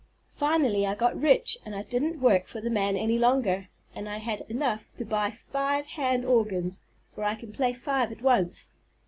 Finally I got rich and I didn't work for the man any longer, and I had enough to buy five hand organs, for I can play five at once.